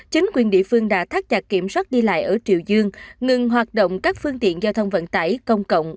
chính quyền địa phương đã thắt chặt kiểm soát đi lại ở triều dương ngừng hoạt động các phương tiện giao thông vận tải công cộng